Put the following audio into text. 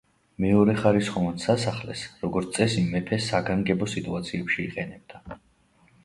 მეორეხარისხოვან სასახლეს, როგორ წესი, მეფე საგანგებო სიტუაციებში იყენებდა.